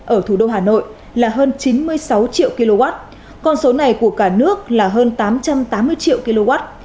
ở thủ đô hà nội là hơn chín mươi sáu triệu kwh còn số này của cả nước là hơn tám trăm tám mươi triệu kwh